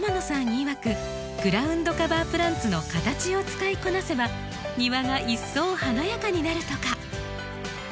いわくグラウンドカバープランツの形を使いこなせば庭が一層華やかになるとか。